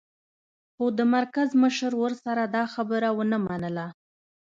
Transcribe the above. خو د مرکز مشر ورسره دا خبره و نه منله